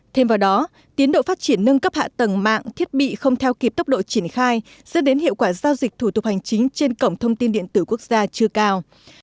thêm vào đó tiến độ phát triển nâng cấp hạ tầng mạng thiết bị không theo kịp tốc độ triển khai dẫn đến hiệu quả giao dịch thủ tục hành chính trên cổng thông tin điện tử quốc gia chưa cao